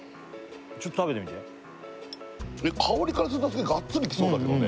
ちょっと食べてみて香りからするとすげえガッツリきそうだけどね